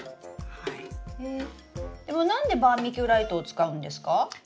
でも何でバーミキュライトを使うんですか？